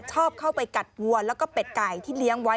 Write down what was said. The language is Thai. ชอบเข้าไปกัดวัวแล้วก็เป็ดไก่ที่เลี้ยงไว้